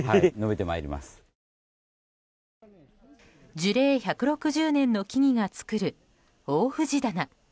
樹齢１６０年の木々が作る大藤棚。